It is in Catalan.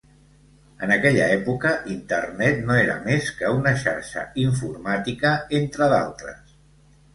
En aquella època, Internet no era més que una xarxa informàtica entre d'altres.